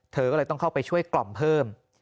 เธอก็เลยต้องเข้าไปช่วยกล่อมเพิ่ม